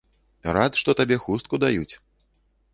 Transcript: Рад, што табе хустку даюць!